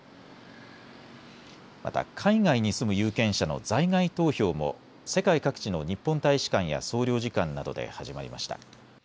また海外に住む有権者の在外投票も世界各地の日本大使館や総領事館などで始まりました。